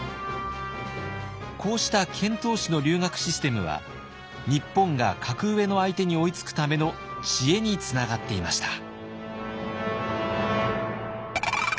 こうした遣唐使の留学システムは日本が格上の相手に追いつくための知恵につながっていました。